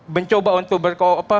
mencoba untuk ber